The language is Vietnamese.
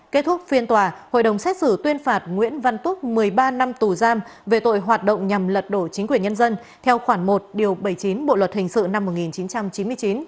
kết thúc phiên tòa hội đồng xét xử tuyên phạt nguyễn văn túc một mươi ba năm tù giam về tội hoạt động nhằm lật đổ chính quyền nhân dân theo khoản một điều bảy mươi chín bộ luật hình sự năm một nghìn chín trăm chín mươi chín